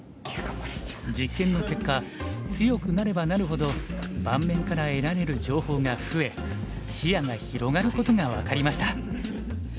実験の結果強くなればなるほど盤面から得られる情報が増え視野が広がることが分かりました。